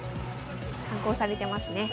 観光されてますね。